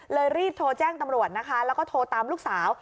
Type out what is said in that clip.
รีบโทรแจ้งตำรวจนะคะแล้วก็โทรตามลูกสาว